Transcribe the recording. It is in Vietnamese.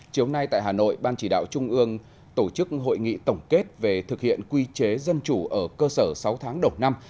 chiều nay tại hà nội ban chỉ đạo trung ương tổ chức hội nghị tổng kết về thực hiện quy chế dân chủ ở cơ sở sáu tháng đầu năm